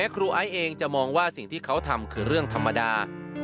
ครูไอซ์เองจะมองว่าสิ่งที่เขาทำคือเรื่องธรรมดา